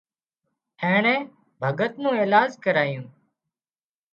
اينڻي ڀڳت نو ايلاز ڪرايو